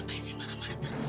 masih marah marah terus